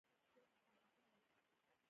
بزګر د شپې هم د سبا سوچ لري